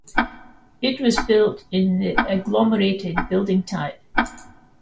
It was built in the "agglomerated building type".